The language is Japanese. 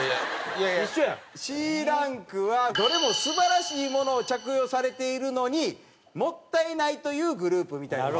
Ｃランクはどれも素晴らしいものを着用されているのにもったいないというグループみたいです。